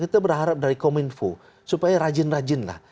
kita berharap dari kominfo supaya rajin rajinlah